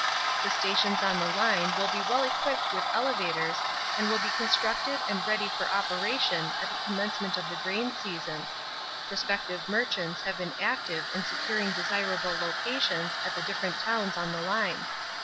The stations on the line will be well equipped with elevators and will be constructed and ready for operation at the commencement of the grain season. Prospective merchants have been active in securing desirable locations at the different towns on the line.